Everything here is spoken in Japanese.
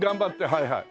はいはい。